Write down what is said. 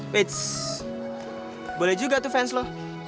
wits boleh juga tuh fans lo